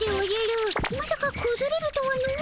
まさかくずれるとはの。